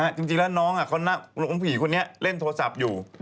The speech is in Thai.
จริงแล้วน้องผีคนนี้เล่นโทรศัพท์อยู่